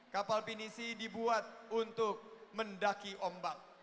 kapal pinisi dibuat untuk mendaki ombak